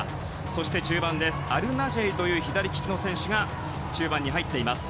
そして中盤にはアルナジェイという左利きの選手が入っています。